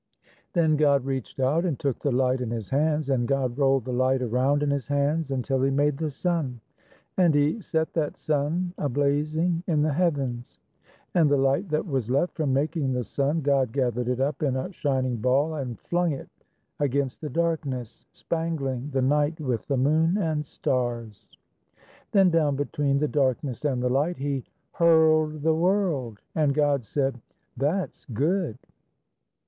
"_ Then God reached out and took the light in His hands, And God rolled the light around in His hands Until He made the sun; And He set that sun a blazing in the heavens. And the light that was left from making the sun God gathered it up in a shining ball And flung it against the darkness, Spangling the night with the moon and stars. Then down between The darkness and the light He hurled the world; And God said, _"That's good!"